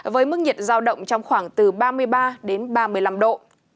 với mức nhiệt giao động trong khoảng từ ba mươi ba đến ba mươi năm độ